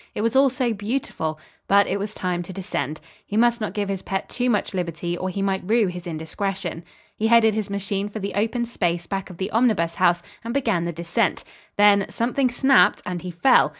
It was all so beautiful, but it was time to descend. He must not give his pet too much liberty, or he might rue his indiscretion. He headed his machine for the open space back of the Omnibus House, and began the descent. Then, something snapped, and he fell.